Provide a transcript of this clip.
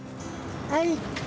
はい。